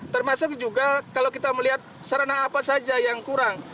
termasuk juga kalau kita melihat sarana apa saja yang kurang